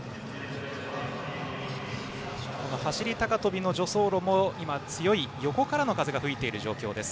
走り高跳びの助走路も強い横からの風が吹いています。